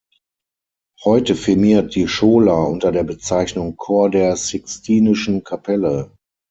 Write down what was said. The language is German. Heute firmiert die Schola unter der Bezeichnung Chor der Sixtinischen Kapelle.